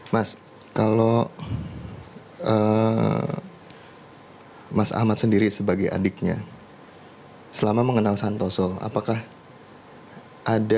mas kalau mas ahmad sendiri sebagai adiknya selama mengenal santoso apakah ada